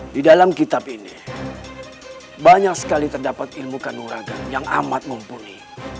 di dalam kitab ini banyak sekali terdapat ilmu kanoraga yang amat mumpuni